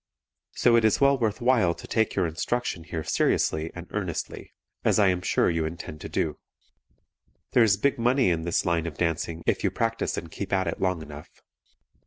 So it is well worth while to take your instruction here seriously and earnestly, as I am sure you intend to do. There is big money in this line of dancing if you practice and keep at it long enough.